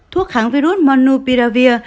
thuốc kháng virus monupiravir